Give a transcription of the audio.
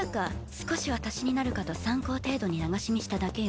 少しは足しになるかと参考程度に流し見しただけよ。